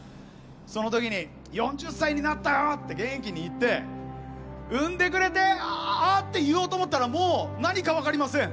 その時に４０歳になったよ！って元気に言って生んでくれてあって言おうとしたらもう、何か分かりません。